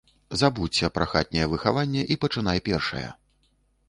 Забудзься пра хатняе выхаванне і пачынай першая.